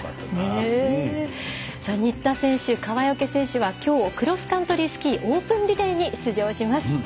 新田選手、川除選手はきょうクロスカントリースキーオープンリレーに出場します。